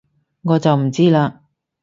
我就唔知喇